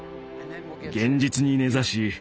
現実に根ざし